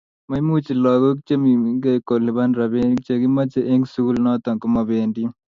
maimuchi lakok cheiimikei kolipan ropinik chekimachei eng sukul notok komapendi